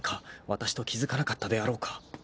わたしと気付かなかったであろうか